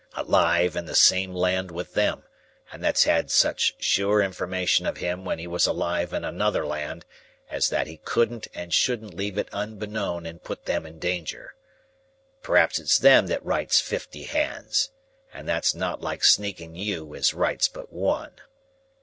—alive in the same land with them, and that's had such sure information of him when he was alive in another land, as that he couldn't and shouldn't leave it unbeknown and put them in danger. P'raps it's them that writes fifty hands, and that's not like sneaking you as writes but one.